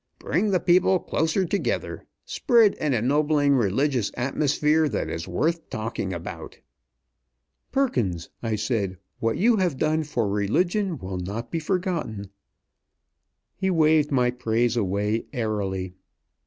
Bring the people closer together spread an ennobling religious atmosphere that is worth talking about!" "Perkins," I said, "what you have done for religion will not be forgotten." He waved my praise away airily.